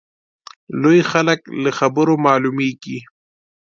لوی خلک له خبرو معلومیږي.